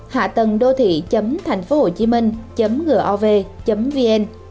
hạ tầng đô thị thànhphố hồchiminh gov vn